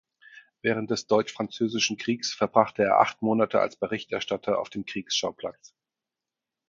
Während des Deutsch-Französischen Kriegs verbrachte er acht Monate als Berichterstatter auf dem Kriegsschauplatz.